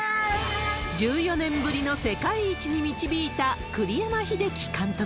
１４年ぶりの世界一に導いた栗山英樹監督。